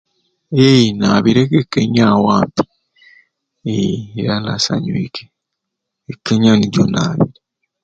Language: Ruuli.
Ee naabireku e Kenya awo ampi ee era................ E Kenya nijo naabire.